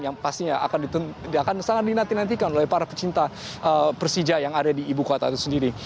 yang pastinya akan sangat dinantikan oleh para pecinta persija yang ada di ibu kota itu sendiri